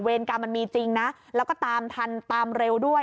กรรมมันมีจริงนะแล้วก็ตามทันตามเร็วด้วย